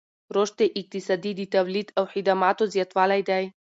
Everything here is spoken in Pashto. رشد اقتصادي د تولید او خدماتو زیاتوالی دی.